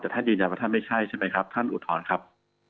แต่ท่านยืนยันว่าท่านไม่ใช่ใช่ไหมครับท่านอุทธรณ์ครับ